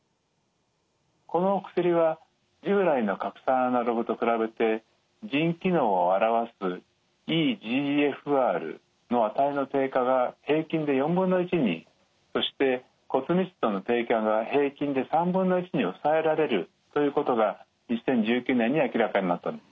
この薬は従来の核酸アナログと比べて腎機能を表すｅＧＦＲの値の低下が平均で1/4にそして骨密度の低下が平均で1/3に抑えられるということが２０１９年に明らかになったんですね。